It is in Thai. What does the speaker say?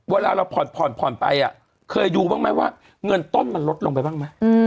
เวลาเราผ่อนผ่อนไปเคยดูบ้างไหมว่าเงินต้นมันลดลงไปบ้างไหม